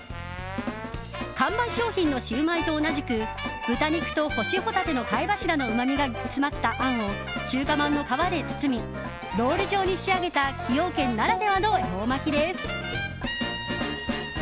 看板商品のシウマイと同じく豚肉と干しホタテの貝柱のうまみがつまったあんを中華まんの皮で包みロール状に仕上げた崎陽軒ならではの恵方巻きです。